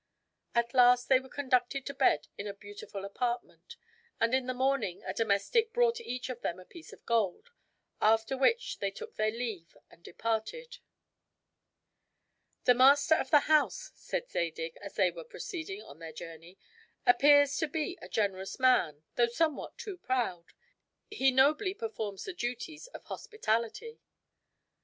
At last they were conducted to bed in a beautiful apartment; and in the morning a domestic brought each of them a piece of gold, after which they took their leave and departed. "The master of the house," said Zadig, as they were proceeding on the journey, "appears to be a generous man, though somewhat too proud; he nobly performs the duties of hospitality."